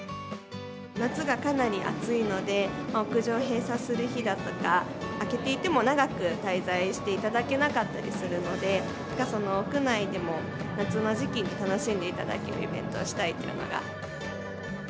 夏がかなり暑いので、屋上を閉鎖する日だとか、開けていても長く滞在していただけなかったりするので、屋内でも、夏の時期に楽しんでいただけるイベントをしたいというのが。